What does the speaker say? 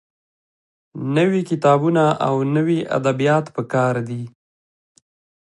نوي کتابونه او نوي ادبيات پکار دي.